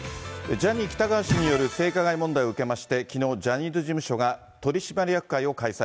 ジャニー喜多川氏による性加害問題を受けまして、きのう、ジャニーズ事務所が取締役会を開催。